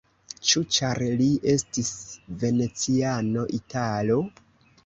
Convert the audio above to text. Ĉu ĉar li estis veneciano, italo?